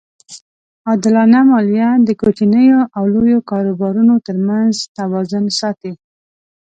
عادلانه مالیه د کوچنیو او لویو کاروبارونو ترمنځ توازن ساتي.